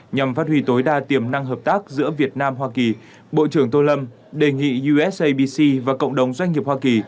nhằm phát huy tối đa tiềm năng hợp tác giữa việt nam hoa kỳ bộ trưởng tô lâm đề nghị usabc và cộng đồng doanh nghiệp hoa kỳ